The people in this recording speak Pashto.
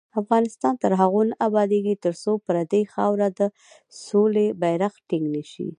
افغانستان تر هغو نه ابادیږي، ترڅو پر دې خاوره د سولې بیرغ ټینګ نشي.